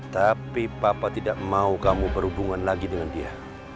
tapi papa tidak mau kamu berhubungan lagi dengan dia